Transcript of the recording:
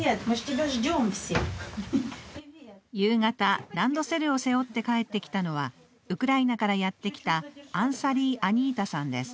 夕方、ランドセルを背負って帰ってきたのはウクライナからやってきたアンサリー・アニータさんです。